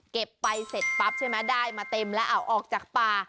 เก็บไปเสร็จปั๊บใช่ไหมได้มาเต็มแล้วเอาออกจากป่า